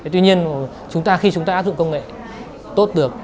tuy nhiên khi chúng ta áp dụng công nghệ tốt được